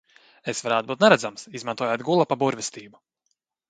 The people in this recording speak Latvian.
Es varēt būt neredzams, izmantojot gulapa burvestību!